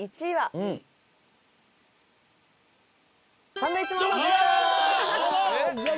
サンドウィッチマンさんです！